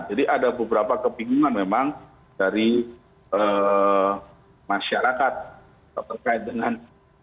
jadi ada beberapa kepinginan memang dari masyarakat terkait dengan